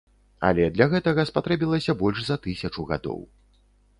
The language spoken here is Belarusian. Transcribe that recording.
Але для гэтага спатрэбілася больш за тысячу гадоў.